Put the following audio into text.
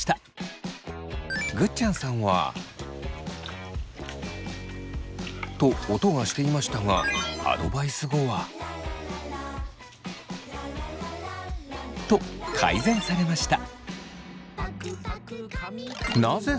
ぐっちゃんさんは。と音がしていましたがアドバイス後は？と改善されました。